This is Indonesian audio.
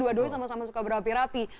dua duanya sama sama suka berapi rapi